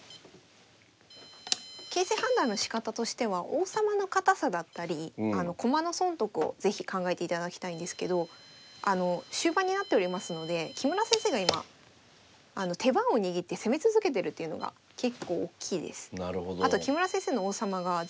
形勢判断のしかたとしては王様の堅さだったり駒の損得を是非考えていただきたいんですけど終盤になっておりますので木村先生が今手番を握って攻め続けてるっていうのが結構おっきいです。